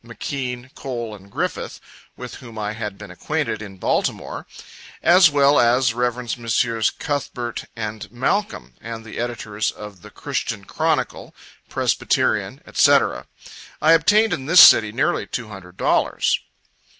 McKean, Cole, and Griffith, with whom I had been acquainted in Baltimore; as well as Revs. Messrs Cuthbert and Malcom, and the editors of the Christian Chronicle, Presbyterian, &c. I obtained in this city nearly two hundred dollars.